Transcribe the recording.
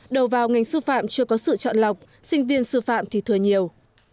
đầu vào ngành sư phạm chưa có sự chọn lọc sinh viên sư phạm thì thừa nhiều